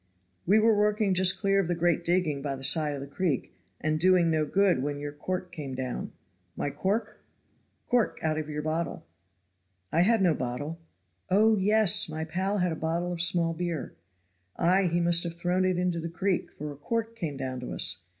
"We were working just clear of the great digging by the side of the creek, and doing no good, when your cork came down." "My cork?" "Cork out of your bottle." "I had no bottle. Oh, yes! my pal had a bottle of small beer." "Ay, he must have thrown it into the creek, for a cork came down to us.